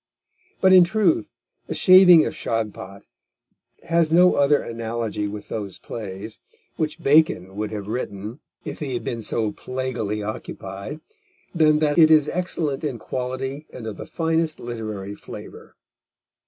But in truth The Shaving of Shagpat has no other analogy with those plays, which Bacon would have written if he had been so plaguily occupied, than that it is excellent in quality and of the finest literary flavour.